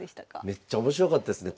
めっちゃ面白かったですね